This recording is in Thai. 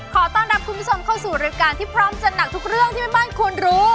ขอต้อนรับคุณผู้ชมเข้าสู่รายการที่พร้อมจัดหนักทุกเรื่องที่แม่บ้านควรรู้